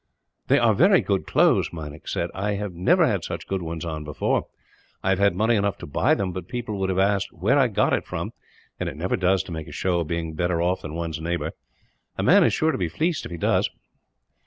"They are very good clothes," Meinik said. "I have never had such good ones on before. I have had money enough to buy them; but people would have asked where I got it from, and it never does to make a show of being better off than one's neighbour. A man is sure to be fleeced, if he does.